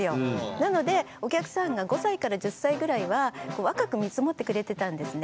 なのでお客さんが５歳から１０歳ぐらいは若く見積もってくれてたんですね。